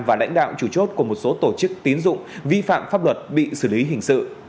và lãnh đạo chủ chốt của một số tổ chức tín dụng vi phạm pháp luật bị xử lý hình sự